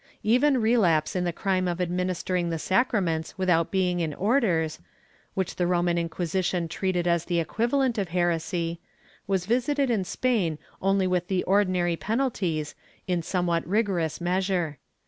Even relapse in the crime of administering the sacraments without being in orders, which the Roman Inquisition treated as the equivalent of heresy, was visited in Spain only with the ordinary penalties in somewhat rigorous measure.